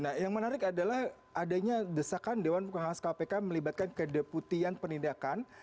nah yang menarik adalah adanya desakan dewan pengawas kpk melibatkan kedeputian penindakan